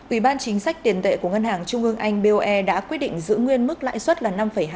ủy ban chính sách tiền tệ của ngân hàng trung ương anh boe đã quyết định giữ nguyên mức lãi suất là năm hai